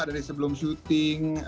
dari sebelum syuting